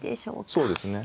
そうですね。